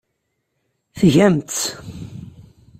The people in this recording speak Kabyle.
Tgamt-tt!